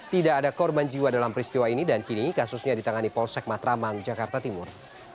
tidak ada korban jiwa dalam peristiwa ini dan kini kasusnya ditangani polsek matraman jakarta timur